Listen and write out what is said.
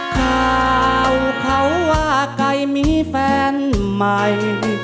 ข่าวเขาว่าไก่มีแฟนใหม่